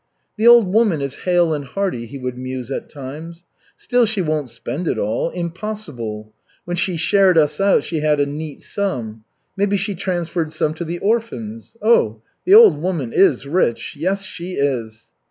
"The old woman is hale and hearty," he would muse at times. "Still she won't spend it all impossible. When she shared us out, she had a neat sum. Maybe she transferred some to the orphans. Oh, the old woman is rich. Yes, she is."